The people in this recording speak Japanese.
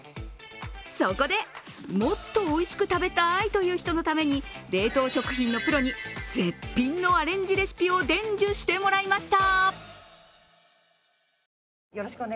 そこで、もっとおいしく食べたいという人のために冷凍食品のプロに絶品のアレンジレシピを伝授してもらいました。